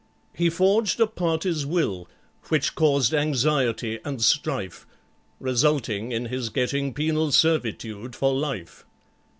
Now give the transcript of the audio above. He forged a party's will, which caused anxiety and strife, Resulting in his getting penal servitude for life.